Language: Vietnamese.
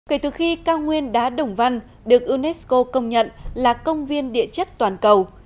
kể từ khi cao nguyên đá đồng văn được unesco công nhận là công viên địa chất toàn cầu